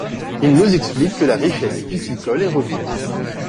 Ils nous expliquent que la richesse piscicole est revenue.